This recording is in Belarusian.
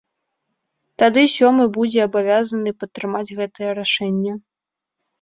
Тады сёмы будзе абавязаны падтрымаць гэтае рашэнне.